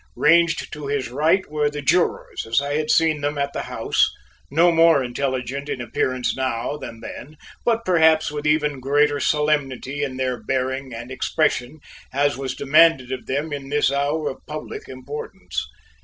Ranged to his right were the jurors as I had seen them at the house, no more intelligent in appearance now than then, but perhaps with even greater solemnity in their bearing and expression, as was demanded of them in this hour of public importance.